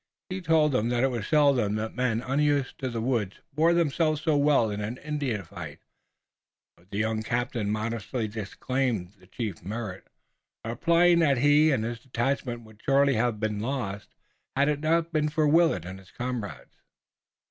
He told him it was seldom that men unused to the woods bore themselves so well in an Indian fight, but the young captain modestly disclaimed the chief merit, replying that he and his detachment would surely have been lost, had it not been for Willet and his comrades.